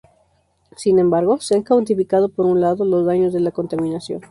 Sin embargo se han cuantificado, por un lado, los daños de la contaminación.